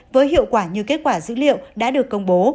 với hiệu quả như kết quả dữ liệu đã được công bố